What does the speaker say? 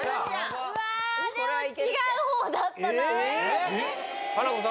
うわでも違うほうだったな夏菜子さん